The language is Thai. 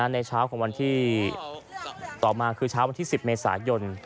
ในเช้าของวันที่ต่อมาคือเช้าวันที่๑๐เมษายน